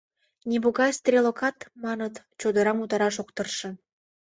Нимогай стрелокат, маныт, чодырам утараш ок тырше.